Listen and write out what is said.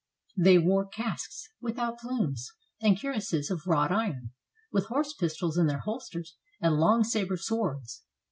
They wore casques without plumes, and cuirasses of wrought iron, with horse pistols in their holsters and long saber swords.